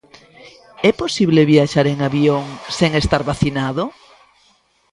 É posible viaxar en avión sen estar vacinado?